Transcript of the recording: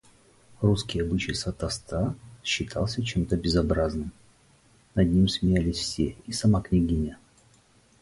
Русский обычай сватовства считался чем-то безобразным, над ним смеялись все и сама княгиня.